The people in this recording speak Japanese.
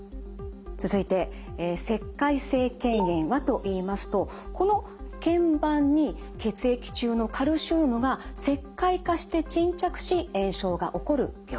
続いて石灰性けん炎はといいますとこのけん板に血液中のカルシウムが石灰化して沈着し炎症が起こる病気。